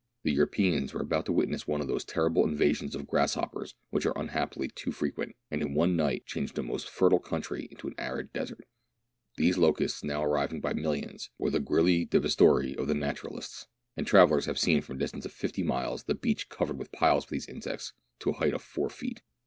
The Europeans were about to witness one of those terrible invasions of grass hoppers which are unhappily too frequent, and in one night change the most fertile country into an arid desert. These locusts, now arriving by millions, were the "grylli devas torii" of the naturalists, and travellers have seen for a distance of fifty miles the beach covered with piles of these insects to the height of four feet.